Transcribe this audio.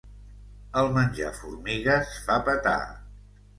El menjar formigues fa petar.